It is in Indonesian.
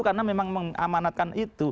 karena memang mengamanatkan itu